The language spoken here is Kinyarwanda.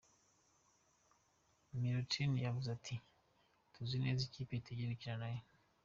Milutin yavuze ati : "Tuzi neza ikipe tugiye gukina nayo.